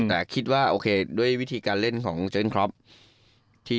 แต่คิดว่าโอเคด้วยวิธีการเล่นของเจนครอป